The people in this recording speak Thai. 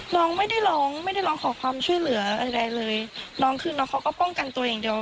น้องไม่ได้ร้องไม่ได้ร้องขอความช่วยเหลือใดเลยน้องคือน้องเขาก็ป้องกันตัวอย่างเดียว